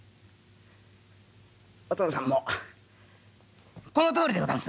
「お殿さんもこのとおりでござんす。